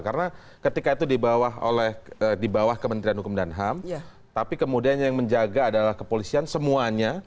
karena ketika itu di bawah kementerian hukum dan ham tapi kemudian yang menjaga adalah kepolisian semuanya